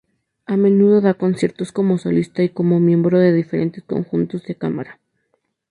A menudo da conciertos como solista y como miembro de diferentes conjuntos de cámara.